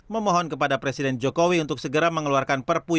memohon kepada presiden jokowi untuk segera mengeluarkan perpu